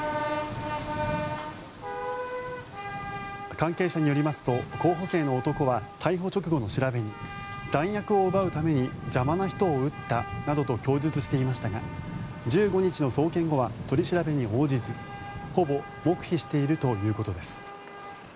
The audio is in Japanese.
関係者によりますと候補生の男は逮捕直後の調べに弾薬を奪うために邪魔な人を撃ったなどと供述していましたが１５日の送検後は取り調べに応じずほぼ黙秘しているということです。